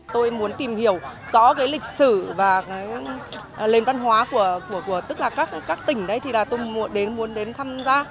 tôi muốn tìm hiểu rõ lịch sử và lền văn hóa của các tỉnh đây tôi muốn đến tham gia